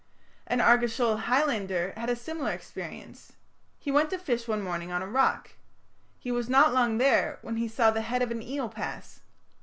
An Argyllshire Highlander had a similar experience. He went to fish one morning on a rock. "He was not long there when he saw the head of an eel pass.